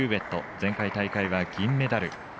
前回大会は銀メダル。